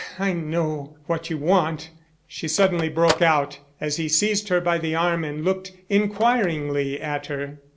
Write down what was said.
Ah, I know what you want," she suddenly broke out, as he seized her by the arm and looked inquiringly at her.